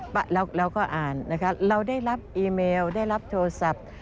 ปะเราก็อ่าน